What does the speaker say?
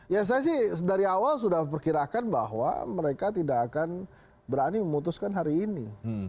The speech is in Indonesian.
ya saya sih dari awal sudah perkirakan bahwa mereka tidak akan berani memutuskan hari ini